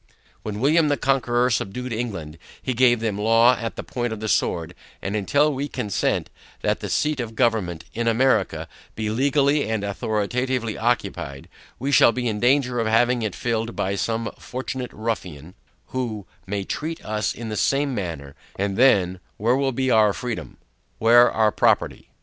When William the Conqueror subdued England, he gave them law at the point of the sword; and until we consent, that the seat of government, in America, be legally and authoritatively occupied, we shall be in danger of having it filled by some fortunate ruffian, who may treat us in the same manner, and then, where will be our freedom? Where our property?